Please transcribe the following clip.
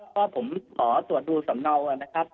ก็ผมขอตรวจดูสำเนานะครับ